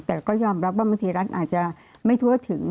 แต่ก็ยอมรับว่าบางทีรัฐอาจจะไม่ทั่วถึง